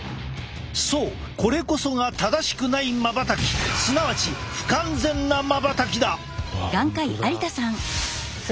そうこれこそが正しくないまばたきすなわち不完全なまばたきだ！